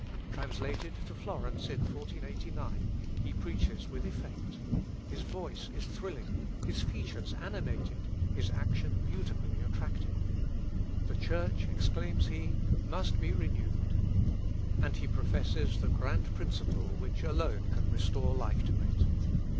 " Translated to Florence in 1489, he preaches with effect; his voice is thrilling, his features animated, his action beautifully attractive. "The Church," exclaims he, "must be renewed." And he professes the grand principle which alone can restore life to it.